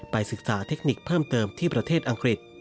ศึกษาเทคนิคเพิ่มเติมที่ประเทศอังกฤษ